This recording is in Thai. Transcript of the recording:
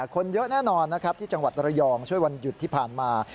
คนเยอะแน่นอนนะครับที่จังหวัดระยองช่วยวันหยุดที่ผ่านมา